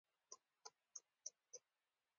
وزې د ماشومانو دوستانې دي